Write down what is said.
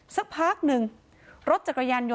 สักพักนึงรถจัดการย